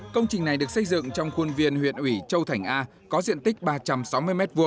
công trình này được xây dựng trong khuôn viên huyện ủy châu thành a có diện tích ba trăm sáu mươi m hai